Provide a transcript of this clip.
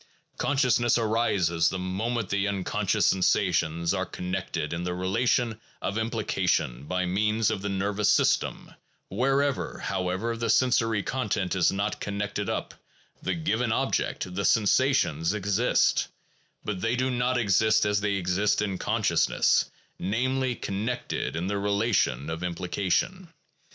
Consciousness arises the moment the unconscious sensations are connected in the relation of impli cation by means of the nervous system; wherever, however, the sensory content is not connected up, the given objects (the sen sations) exist, but they do not exist as they exist in consciousness, namely, connected in the relation of implication.